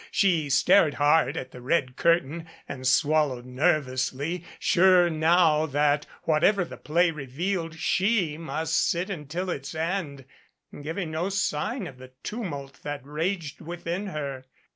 She stared hard at the red curtain, and swallowed nervously, sure now that, whatever the play revealed, she must sit until its end, giving no sign of the tumult that raged within her.